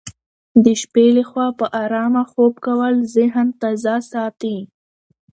د شپې لخوا په ارامه خوب کول ذهن تازه ساتي.